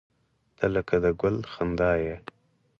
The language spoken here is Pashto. • ته لکه د ګل خندا یې.